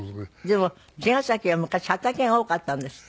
でも茅ヶ崎は昔畑が多かったんですって？